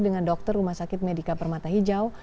dengan dokter rumah sakit medika permata hijau